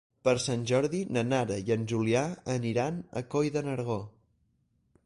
Per Sant Jordi na Nara i en Julià aniran a Coll de Nargó.